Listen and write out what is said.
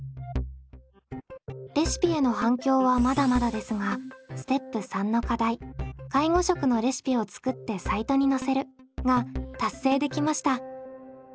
レシピへの反響はまだまだですがステップ３の課題介護食のレシピを作ってサイトにのせるが達成できました。